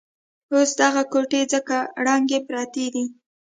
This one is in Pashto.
اوس دغه کوټې ځکه ړنګې پرتې دي.